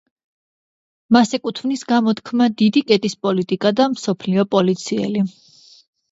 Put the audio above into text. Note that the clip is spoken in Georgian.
მას ეკუთვნის გამოთქმა დიდი კეტის პოლიტიკა და „მსოფლიო პოლიციელი“.